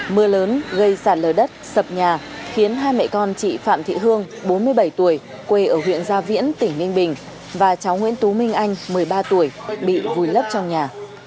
mưa lớn gây sạt lờ đất sập nhà khiến hai mẹ con chị phạm thị hương bốn mươi bảy tuổi quê ở huyện gia viễn tỉnh ninh bình và cháu nguyễn tú minh anh một mươi ba tuổi bị vùi lấp trong nhà